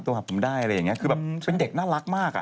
หาผมได้อะไรอย่างเงี้คือแบบเป็นเด็กน่ารักมากอ่ะ